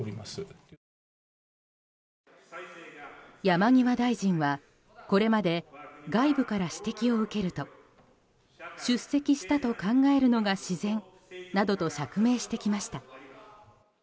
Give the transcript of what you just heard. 山際大臣はこれまで外部から指摘を受けると出席したと考えるのが自然などと釈明してきました。